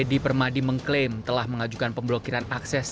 edi permadi mengklaim telah mengajukan pemblokiran akses